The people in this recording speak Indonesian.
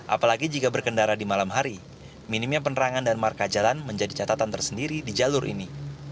apalagi jika berkendara di malam hari minimnya penerangan dan marka jalan menjadi catatan tersendiri di jalur ini